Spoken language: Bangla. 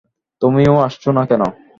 তুমিও আসছো না কেন?